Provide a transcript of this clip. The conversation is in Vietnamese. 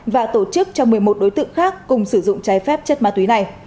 và tổ chức cho một mươi một đối tượng khác cùng sử dụng trái phép chất ma túy này